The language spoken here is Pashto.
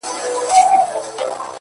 • له ځالۍ سره نیژدې پورته یو غار وو ,